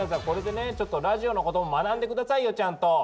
これでねちょっとラジオのことも学んで下さいよちゃんと！